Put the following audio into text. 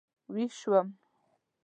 وېښ شوم.